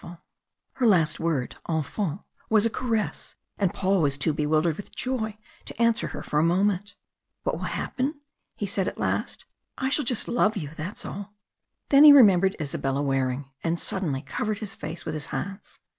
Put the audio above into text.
_" Her last word, "enfant," was a caress, and Paul was too bewildered with joy to answer her for a moment. "What will happen?" he said at last. "I shall just love you that's all!" Then he remembered Isabella Waring, and suddenly covered his face with his hands.